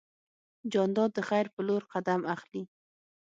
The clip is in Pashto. جانداد د خیر په لور قدم اخلي.